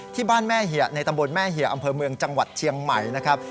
ที่บ้านแม่เหี่ยในตำบลแม่เหี่ยอำเภอเมืองจังหวัดเชียงใหม่นะครับ